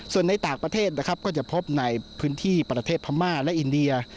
ส่วนในต่างประเทศนะครับก็จะพบในพื้นที่ประเทศพม่าและอินเดีย